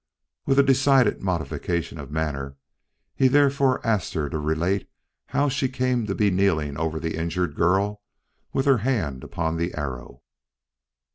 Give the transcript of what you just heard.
With a decided modification of manner, he therefore asked her to relate how she came to be kneeling over the injured girl with her hand upon the arrow.